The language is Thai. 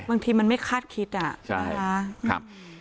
บางทีมันไม่คาดคิดอ่ะ